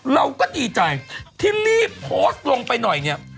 เราก็ดีใจที่รีบโพสต์ลงไปหน่อยเนี่ย